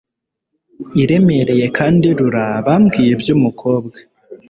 iremereye kandi irura Bambwiye ibyumukobwa